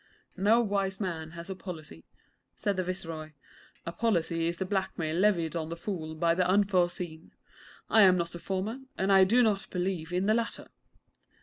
'No wise man has a Policy,' said the Viceroy. 'A Policy is the blackmail levied on the Fool by the Unforeseen. I am not the former, and I do not believe in the latter.'